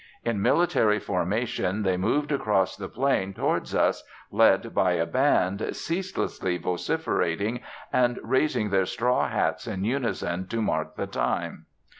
In military formation they moved across the plain towards us, led by a band, ceaselessly vociferating, and raising their straw hats in unison to mark the time.